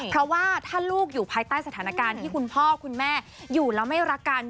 เพราะว่าถ้าลูกอยู่ภายใต้สถานการณ์ที่คุณพ่อคุณแม่อยู่แล้วไม่รักกัน